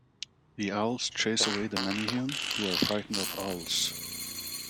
The owls chase away the Menehune, who are frightened of owls.